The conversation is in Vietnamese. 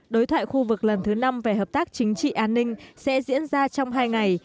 đối thoại khu vực lần thứ năm về hợp tác chính trị an ninh sẽ diễn ra trong hai ngày